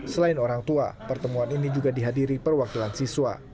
selain orang tua pertemuan ini juga dihadiri perwakilan siswa